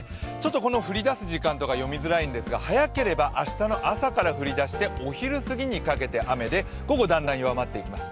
この降り出す時間とか読みづらいんですが、早ければ明日の朝から降り出してお昼過ぎにかけて雨で午後だんだん弱まってきます。